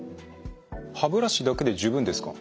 歯ブラシだけで十分ですか？